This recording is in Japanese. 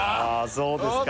そうですか